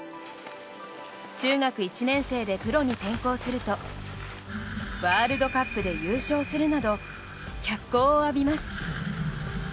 中学１年生でプロに転向するとワールドカップで優勝するなど脚光を浴びます。